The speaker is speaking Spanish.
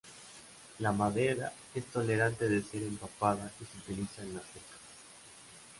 La madera es tolerante de ser empapada, y se utiliza en las cercas.